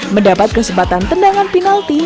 mendapat kesempatan tendangan penalti